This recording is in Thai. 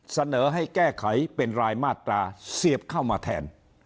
เสนอให้แก้ไขเป็นรายมาตราเสียบเข้ามาแทน